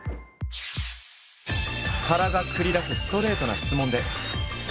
原が繰り出すストレートな質問で。